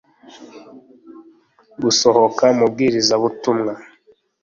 gusohoka mubwirizabutumwa